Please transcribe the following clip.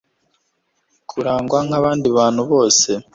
kuragwa nk'abandi bantu bose